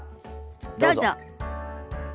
どうぞ。